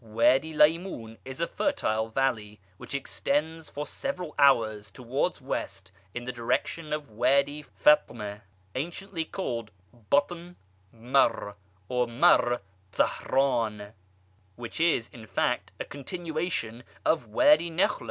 Wady Lymoun is a fertile valley, which extends for several hours (towards West) in the direction of Wady Fatme (anciently called Batn Marr, or Marr Tzahran, which is, in fact, a continuation of Wady Nakhla).